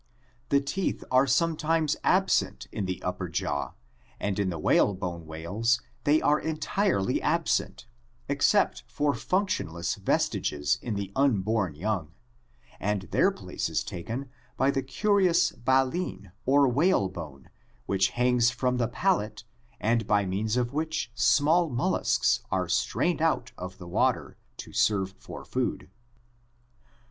The teeth are sometimes absent in the upper jaw (sperm whale, Physeter), and in the whalebone whales (Mystacoceti) they are entirely absent, except for functionless vestiges in the unborn young, and their place is taken by the curious baleen or 292 ORGANIC EVOLUTION whalebone which hangs from the palate and by means of which small molluscs (pteropods) are strained out of the water to serve for food.